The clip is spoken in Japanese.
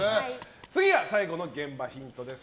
次が最後の現場ヒントです。